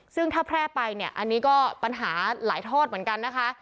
ซึ่งถ้าแพร่ไปเนี่ยอันนี้ก็ปัญหาหลายทอดเหมือนกันนะคะ